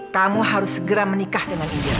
kamu harus segera menikah dengan ibu